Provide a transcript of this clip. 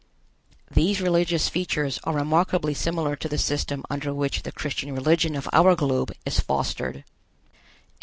These religious features are remarkably similar to the system under which the Christian religion of our globe is fostered.